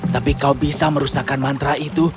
tapi kau bisa merusakkan mantra itu